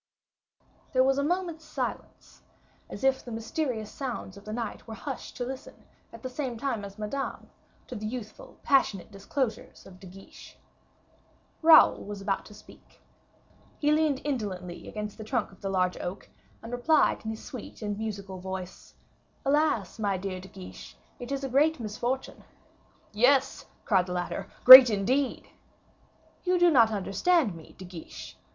There was a moment's silence, as if the mysterious sounds of night were hushed to listen, at the same time as Madame, to the youthful passionate disclosures of De Guiche. Raoul was about to speak. He leaned indolently against the trunk of the large oak, and replied in his sweet and musical voice, "Alas, my dear De Guiche, it is a great misfortune." "Yes," cried the latter, "great indeed." "You do not understand me, De Guiche.